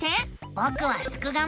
ぼくはすくがミ！